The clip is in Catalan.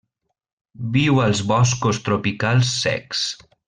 Viu als boscos tropicals secs.